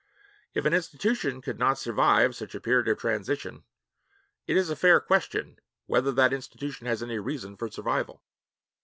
If an institution could not survive such a period of transition, it is a fair question whether the institution has any reason for survival.